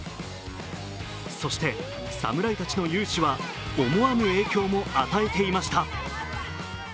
そして侍たちの雄姿は思わぬ影響も与えていました。